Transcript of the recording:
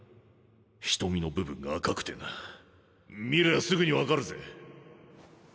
瞳の部分が赤くてな見りゃあすぐにわかるぜ。